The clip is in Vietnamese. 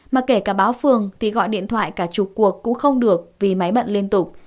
mà kể cả báo phường thì gọi điện thoại cả chục cuộc cũng không được vì máy bận liên tục